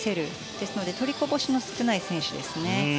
ですので、取りこぼしの少ない選手ですよね。